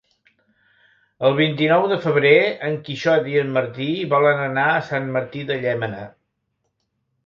El vint-i-nou de febrer en Quixot i en Martí volen anar a Sant Martí de Llémena.